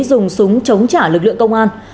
dùng súng chống trả lực lượng công an